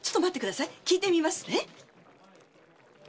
聞いてみますね。